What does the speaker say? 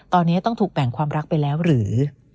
ตอนนี้ต้องถูกแบ่งความรักไปแล้วหรือ